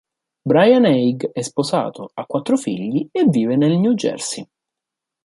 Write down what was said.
Brian Haig è sposato, ha quattro figli e vive nel New Jersey.